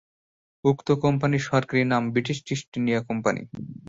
উক্ত কোম্পানির সরকারি নাম "ব্রিটিশ ইস্ট ইন্ডিয়া কোম্পানি"।